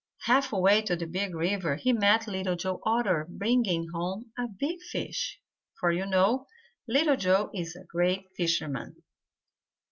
Half way to the Big River he met Little Joe Otter bringing home a big fish, for you know Little Joe is a great fisherman.